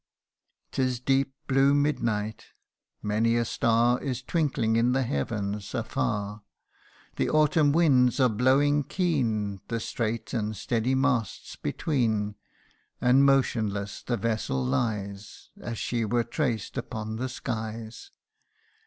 'Tis deep blue midnight many a star Is twinkling in the heavens afar. The autumn winds are blowing keen The straight and steady masts between ; And motionless the vessel lies, As she were traced upon the skies.